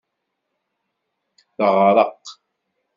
Teɣreq.